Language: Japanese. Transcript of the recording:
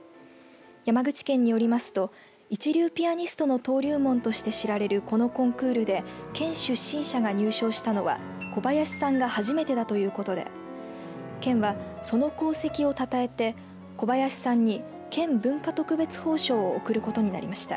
山口県によりますと一流ピアニストの登竜門として知られるこのコンクールで県出身者が入賞したのは小林さんが初めてだということで県は、その功績をたたえて小林さんに県文化特別褒賞を贈ることになりました。